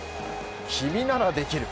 君ならできる！